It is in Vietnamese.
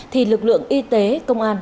thì lực lượng y tế công an